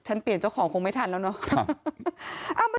เปลี่ยนเจ้าของคงไม่ทันแล้วเนาะ